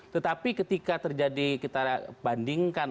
tetapi ketika terjadi kita bandingkan